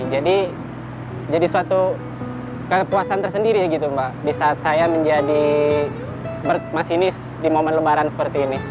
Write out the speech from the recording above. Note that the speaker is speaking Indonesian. jadi jadi suatu kepuasan tersendiri gitu mbak di saat saya menjadi masinis di momen lebaran seperti ini